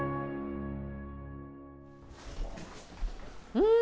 うん。